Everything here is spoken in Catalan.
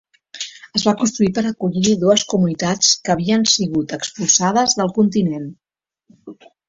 Es va construir per acollir-hi dues comunitats que havien sigut expulsades del continent.